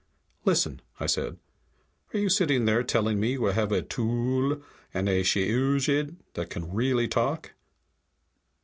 "Listen," I said. "Are you sitting there telling me you have a tllooll and a shiyooch'iid that can really talk?"